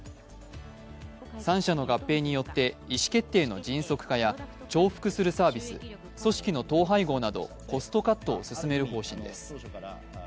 ３社の合併によって意思決定の迅速化や重複するサービス組織の統廃合などコストカットを進める方針です。